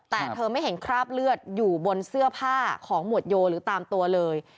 แต่เธอไม่เห็นคราบเลือดอยู่บนเสื้อผ้าของหมวดโยหรือตามตัวเลย